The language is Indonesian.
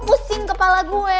pusing kepala gue